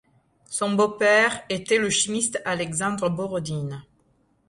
Son beau-père était le chimiste Alexandre Borodine.